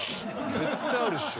絶対あるっしょ